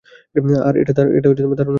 আর এটা দারুণ হতে যাচ্ছে।